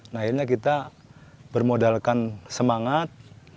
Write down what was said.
nah akhirnya kita bermodalkan semangat